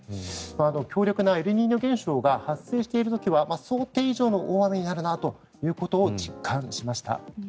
強力なエルニーニョ現象が発生している時は想定以上の大雨になるなということを実感しました。